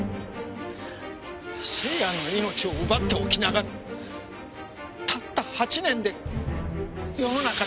星也の命を奪っておきながらたった８年で世の中に出てくるなんて。